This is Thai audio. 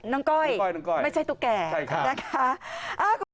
น้องก้อยน้องก้อยน้องก้อยไม่ใช่ตุกแก่ใช่ค่ะนะคะ